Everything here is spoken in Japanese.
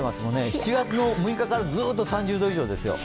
７月６日からずーっと３０度以上ですよ。